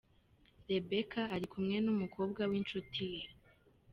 Rebekah ari kumwe n’umukobwa w’inshuti ye.